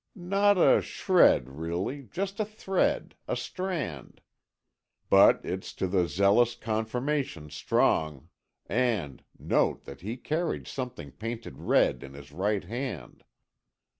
'" "Not a shred, really, just a thread, a strand, but it's to the zealous, confirmation strong! And, note that he carried something painted red in his right hand.